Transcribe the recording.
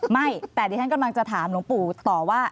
ไม่แต่เดี๋ยวฉันกำลังจะถามลุงฟูตอบว่า